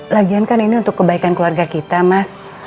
lagian kan ini untuk kebaikan keluarga kita mas